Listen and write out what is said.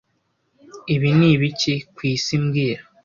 Ibi ni ibiki ku isi mbwira